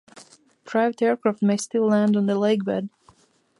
Private aircraft may still land on the lakebed.